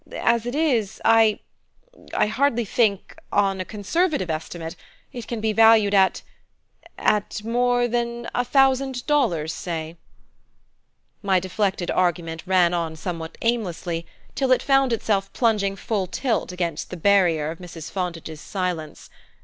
As it is, I I hardly think on a conservative estimate it can be valued at at more than a thousand dollars, say " My deflected argument ran on somewhat aimlessly till it found itself plunging full tilt against the barrier of Mrs. Fontage's silence.